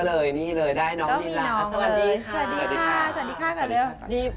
สวัสดีค่ะสวัสดี